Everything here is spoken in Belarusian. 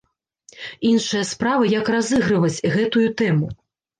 Іншая справа, як разыгрываць гэтую тэму?